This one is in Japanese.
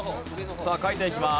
さあ書いていきます。